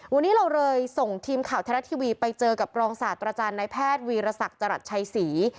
วันนี้เราเลยส่งทีมข่าวไทยรัฐทีวีไปเจอกับรองศาสตราจารย์นายแพทย์วีรศักดิ์จรัสชัยศรี